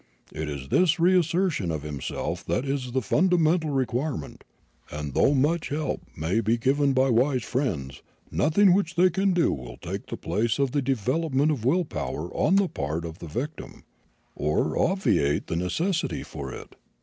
It is this reassertion of himself that is the fundamental requirement, and though much help may be given by wise friends, nothing which they can do will take the place of the development of willpower on the part of the victim, or obviate the necessity for it.